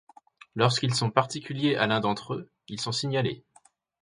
Lorsqu’ils sont particuliers à l’un d’entre eux, ils sont signalés.